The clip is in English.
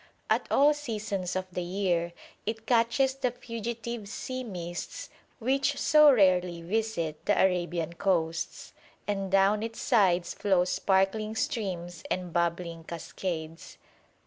At all seasons of the year it catches the fugitive sea mists which so rarely visit the Arabian coasts, and down its sides flow sparkling streams and bubbling cascades.